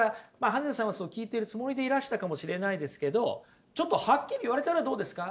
羽根田さんは聞いてるつもりでいらしたかもしれないですけどちょっとはっきり言われたらどうですか？